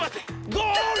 ゴール！